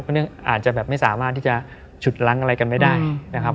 เพราะเรื่องอาจจะแบบไม่สามารถที่จะฉุดล้างอะไรกันไม่ได้นะครับ